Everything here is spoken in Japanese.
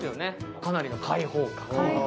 かなりの開放感。